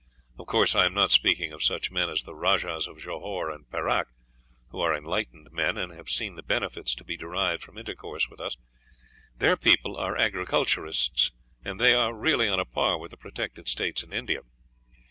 Of course, I am not speaking of such men as the Rajahs of Johore and Perac, who are enlightened men, and have seen the benefits to be derived from intercourse with us. Their people are agriculturists, and they are really on a par with the protected states in India.